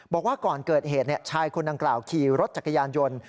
บอกว่าก่อนเกิดเหตุชายคนดังกล่าวขี่รถจักรยานยนต์